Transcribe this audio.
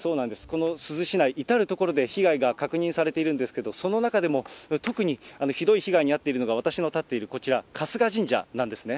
この珠洲市内、至る所で被害が確認されているんですけど、その中でも、特にひどい被害に遭っているのが、私の立っているこちら、春日神社なんですね。